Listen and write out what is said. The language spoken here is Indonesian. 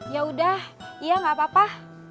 ya udah iya nggak apa apa